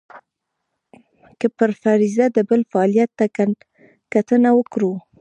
که پر فرضیه د بل فعالیت ته کتنه وکړو.